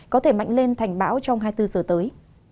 có thể mạnh lên thành bão trong hai mươi bốn giờ tới